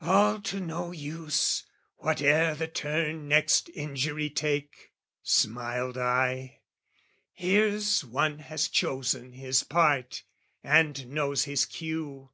"All to no use! "Whate'er the turn next injury take," smiled I, "Here's one has chosen his part and knows his cue.